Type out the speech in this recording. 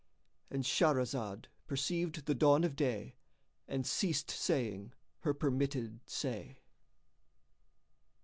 ——And Shahrazad perceived the dawn of day and ceased saying her permitted say.